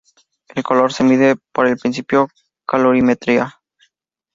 El calor se mide por el principio de calorimetría.